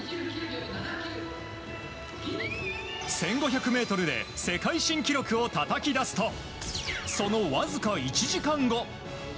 １５００ｍで世界新記録をたたき出すとそのわずか１時間後。